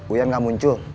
uyan gak muncul